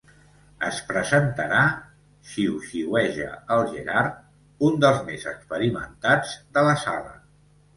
Es presentarà —xiuxiueja el Gerard, un dels més experimentats de la sala.